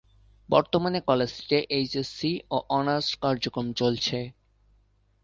বর্তমানে কলেজটিতে এইচএসসি ও অনার্স কার্যক্রম চলছে।